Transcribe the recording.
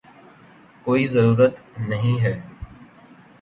کوئی ضرورت نہیں ہے